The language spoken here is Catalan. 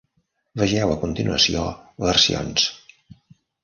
Vegeu a continuació "Versions".